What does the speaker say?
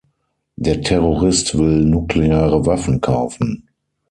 Der Terrorist will nukleare Waffen kaufen.